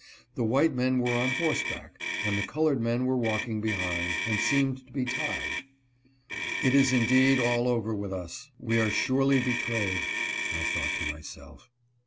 The white men were on horseback, and the colored men were walking behind, and seemed to be tied. "It is indeed all over with us ; we are surely betrayed" I thought to myself.